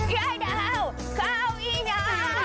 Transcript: ยายดาวข้าวอีดา